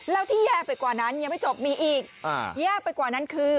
แล้วที่แย่ไปกว่านั้นยังไม่จบมีอีกแย่ไปกว่านั้นคือ